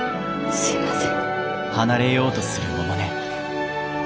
すいません。